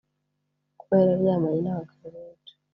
Kuba yararyamanye n’abagabo benshi